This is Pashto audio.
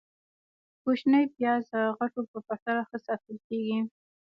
- کوچني پیاز د غټو په پرتله ښه ساتل کېږي.